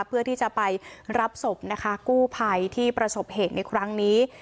เพื่อที่จะไปรับศพนะคะกู้ภัยที่ประสบเหตุในครั้งนี้